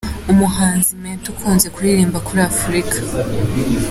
Umuhanzi Mento ukunze kuririmba kuri Afurika.